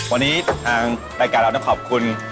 วันนี้ทางรายการเราต้องขอบคุณ